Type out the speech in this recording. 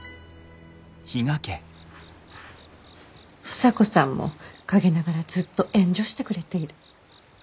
房子さんも陰ながらずっと援助してくれている。